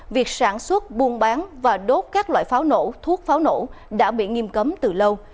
việc sản xuất buôn bán và đốt các loại pháo nổ thuốc pháo nổ đã bị nghiêm cấm từ lâu